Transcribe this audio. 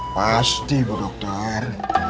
pasti pak dokter